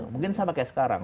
mungkin sama kayak sekarang